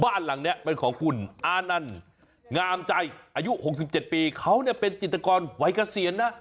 บ้านหลังนี้เป็นของคุณอานันต์งามใจอายุ๖๗ปีเขาเนี่ยเป็นจิตกรวัยเกษียณนะ